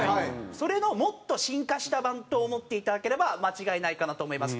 それのもっと進化した版と思っていただければ間違いないかなと思います。